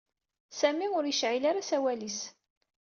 Sami ur yecɛil ara asawal-is.